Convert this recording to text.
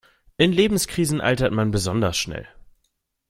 In Lebenskrisen altert man besonders schnell.